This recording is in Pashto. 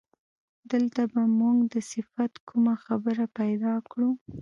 دلته به موږ د صفت کومه خبره پیدا کړو.